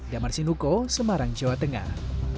damar sinuko semarang jawa tengah